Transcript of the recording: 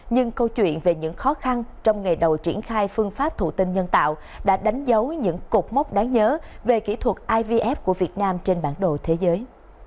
nhưng câu chuyện về những khó khăn trong ngày đầu triển khai phương pháp thụ tinh nhân tạo đã đánh dấu những cột mốc đáng nhớ về kỹ thuật ivf của việt nam trên bản đồ thế giới